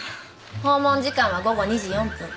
訪問時間は午後２時４分。